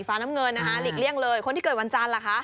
น้ำเงินนะคะหลีกเลี่ยงเลยคนที่เกิดวันจันทร์ล่ะคะ